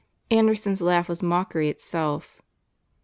Anderson's laugh was mockery itself.